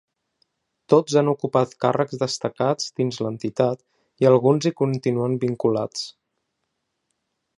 Tots han ocupat càrrecs destacats dins l’entitat i alguns hi continuen vinculats.